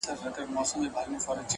يو نه دی چي و تاته په سرو سترگو ژاړي’